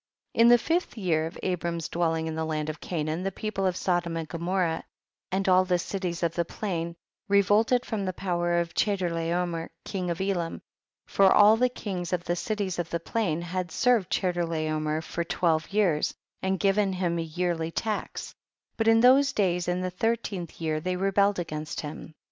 11. In the fifth year of Abram's dwelling in the land of Canaan the people of Sodom and Gomorrah and all the cities of the plain revolted from the power of Chedor]aomer, king of Elam ; for all ihe kings of the cities of the plain had served Che dorlaomer for twelve years, and given him a yearly tax, but in those days in the thirteenth year, they rebelled against him.